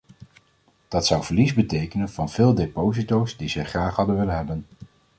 Dat zou verlies betekenen van veel deposito's die zij graag hadden willen hebben.